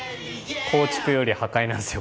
構築より破壊なんですよ